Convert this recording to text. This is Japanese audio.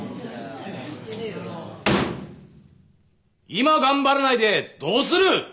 今頑張らないでどうする！